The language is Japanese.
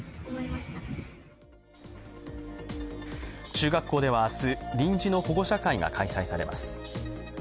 中学校では明日、臨時の保護者会が開催されます。